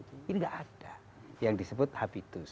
tidak ada yang disebut habitus